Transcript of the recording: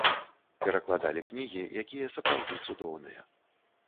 Перакладалі кнігі, якія сапраўды цудоўныя.